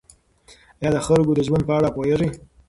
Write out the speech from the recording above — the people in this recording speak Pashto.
آیا د خلکو د ژوند په اړه پوهېږئ؟